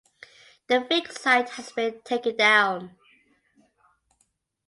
The fake site has been taken down.